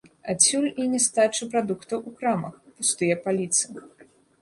Адсюль і нястача прадуктаў у крамах, пустыя паліцы.